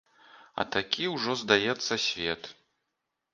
А такі ўжо, здаецца, свет.